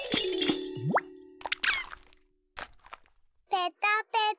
ペタペタ。